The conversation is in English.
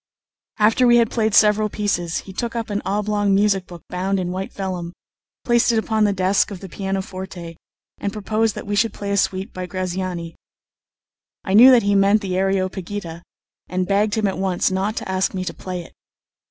After we had played several pieces, he took up an oblong music book bound in white vellum, placed it upon the desk of the pianoforte, and proposed that we should play a suite by Graziani. I knew that he meant the "Areopagita," and begged him at once not to ask me to play it.